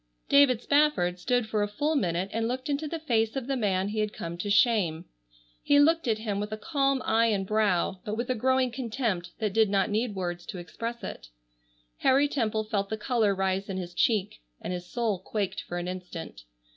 David Spafford stood for a full minute and looked into the face of the man he had come to shame. He looked at him with a calm eye and brow, but with a growing contempt that did not need words to express it. Harry Temple felt the color rise in his cheek, and his soul quaked for an instant.